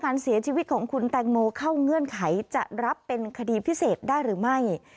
การเสียชีวิตของคุณแตงโมเข้าเงื่อนไขจะรับเป็นคดีพิเศษได้หรือไม่